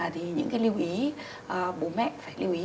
thì những cái lưu ý bố mẹ phải lưu ý